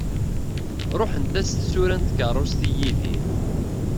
Ruḥent-as tsura n tkerrust i Yidir.